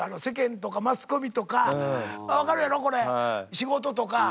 仕事とか。